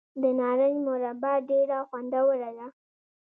د نارنج مربا ډیره خوندوره ده.